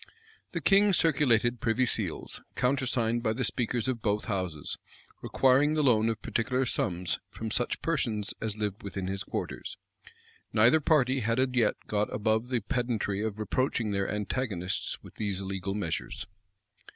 The king circulated privy seals, countersigned by the speakers of both houses, requiring the loan of particular sums from such persons as lived within his quarters.[*] Neither party had as yet got above the pedantry of reproaching their antagonists with these illegal measures.